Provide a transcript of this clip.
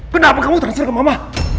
kenapa kamu transfer ke mama